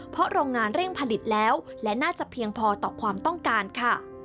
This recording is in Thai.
เพราะโรงงานเร่งผลิตแล้วและน่าจะเพียงพอต่อความต้องการค่ะ